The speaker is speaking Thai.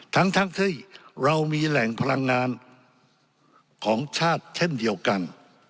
ทั้งที่เรามีแหล่งพลังงานของชาติเช่นเดียวกัน